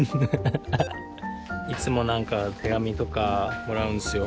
いつも何か手紙とかもらうんですよ。